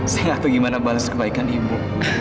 saya gak tahu gimana balas kebaikan ibu